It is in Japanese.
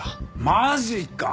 マジか！